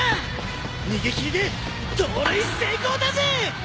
逃げ切りで盗塁成功だぜ！